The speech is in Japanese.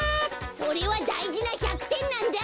それはだいじな１００てんなんだ！